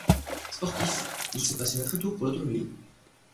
Sportif, il se passionna très tôt pour l'automobile.